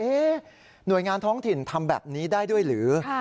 หน่วยงานท้องถิ่นทำแบบนี้ได้ด้วยหรือ